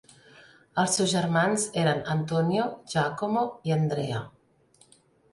Els seus germans eren Antonio, Giacomo i Andrea.